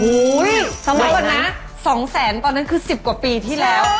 เฮ้ยทำให้ก่อนนะ๒แสนตอนนั้นคือ๑๐กว่าปีที่แล้ว